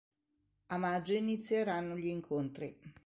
A maggio inizieranno gli incontri.